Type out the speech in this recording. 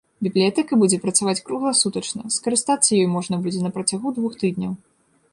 Бібліятэка будзе працаваць кругласутачна, скарыстацца ёй можна будзе на працягу двух тыдняў.